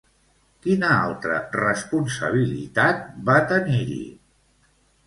Quina altra responsabilitat va tenir-hi?